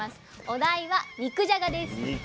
お題は肉じゃがです。